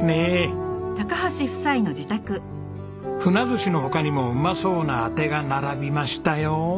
鮒寿しの他にもうまそうなアテが並びましたよ。